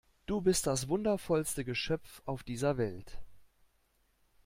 Du bist das wundervollste Geschöpf auf dieser Welt!